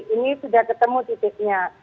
ini sudah ketemu titiknya